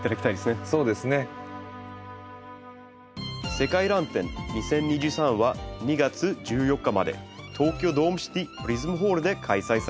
「世界らん展２０２３」は２月１４日まで東京ドームシティプリズムホールで開催されています。